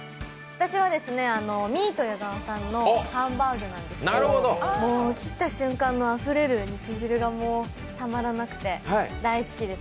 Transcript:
私はミート矢澤さんのハンバーグなんですけど、もう切った瞬間のあふれる肉汁がたまらなくて大好きです。